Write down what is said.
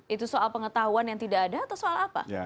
itu soal pengetahuan yang tidak ada atau soal apa